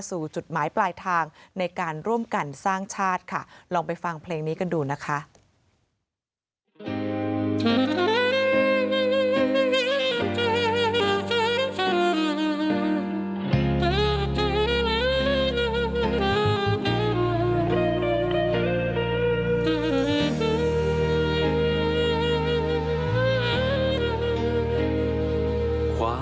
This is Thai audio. สู่จุดหมายปลายทางในการร่วมกันสร้างชาติค่ะลองไปฟังเพลงนี้กันดูนะคะ